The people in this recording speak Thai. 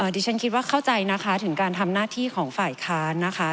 ดิฉันคิดว่าเข้าใจนะคะถึงการทำหน้าที่ของฝ่ายค้านนะคะ